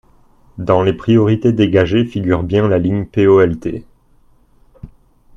Dans les priorités dégagées figure bien la ligne POLT.